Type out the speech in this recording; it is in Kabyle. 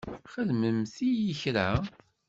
Xedment-iyi kra?